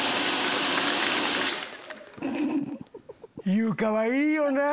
優香はいいよなぁ。